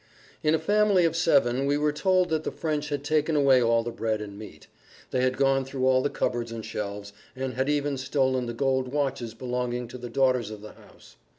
In a family of seven we were told that the French had taken away all the bread and meat. They had gone through all the cupboards and shelves, and had even stolen the gold watches belonging to the daughters of the house.